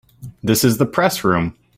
This is the Press Room.